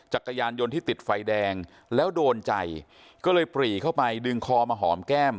จักรยานยนต์ที่ติดไฟแดงแล้วโดนใจก็เลยปรีเข้าไปดึงคอมาหอมแก้ม